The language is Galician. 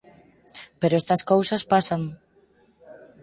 Pero estas cousas pasan.